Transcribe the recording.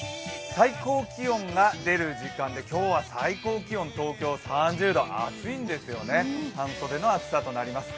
最高気温が出る時間で今日は最高気温、東京３０度、暑いんですよね、半袖の暑さとなります。